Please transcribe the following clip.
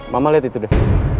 mama lihat itu deh